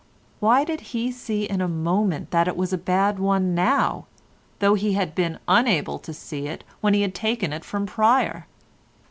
Why did he see in a moment that it was a bad one now, though he had been unable to see it when he had taken it from Pryer?